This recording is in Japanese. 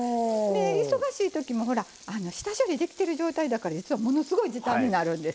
忙しいときも下処理ができる状態なので実はものすごい時短になるんです。